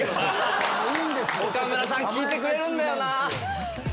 岡村さん聞いてくれるんだよなぁ。